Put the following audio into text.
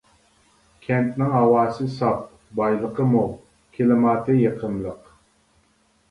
كەنتنىڭ ھاۋاسى ساپ، بايلىقى مول، كىلىماتى يېقىملىق.